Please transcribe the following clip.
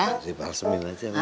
kasih balsamin aja mami